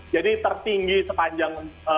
jadi tertinggi sepanjang